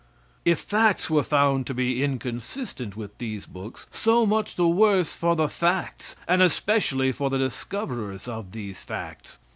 If facts were found to be inconsistent with these books, so much the worse for the facts, and especially for the discoverers of these facts.